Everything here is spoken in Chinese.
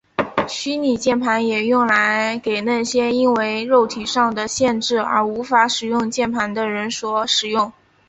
虚拟键盘也用来给那些因为肉体上的限制而无法使用键盘的人所使用。